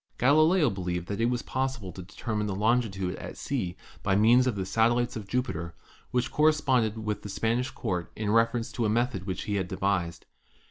Galileo believed that it was possible to determine the longitude at sea by means of the satellites of Jupiter, JUPITER 197 and corresponded with the Spanish Court in reference to a method which he had devised.